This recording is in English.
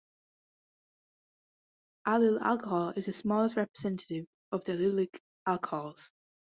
Allyl alcohol is the smallest representative of the allylic alcohols.